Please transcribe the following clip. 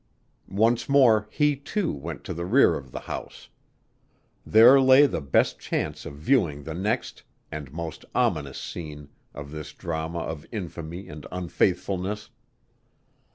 Once more he, too, went to the rear of the house. There lay the best chance of viewing the next and most ominous scene of this drama of infamy and unfaithfulness.